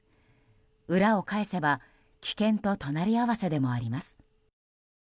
裏を返せば危険と隣り合わせでもあります。